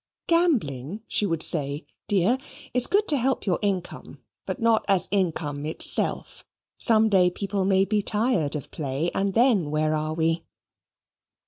"Gambling," she would say, "dear, is good to help your income, but not as an income itself. Some day people may be tired of play, and then where are we?"